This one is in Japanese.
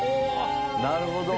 なるほど。